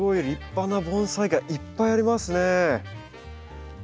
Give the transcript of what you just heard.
立派な盆栽がいっぱいありますね。